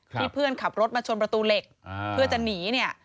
เพื่อนขับรถมาชนประตูเหล็กเพื่อจะหนีเนี่ย